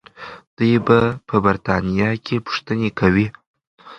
دوی په برتانیا کې پوښتنې کوي.